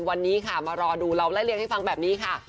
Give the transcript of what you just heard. วันนี้ค่ะมารอดูเราไล่เลี่ยงให้ฟังแบบนี้ค่ะ